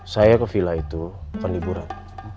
saya ke vila itu bukan liburan